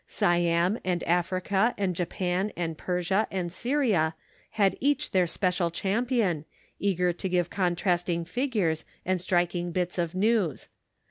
Siam and Africa and Japan and Persia and Syria had each their special champion, eager to give contrasting figures and striking bits of news.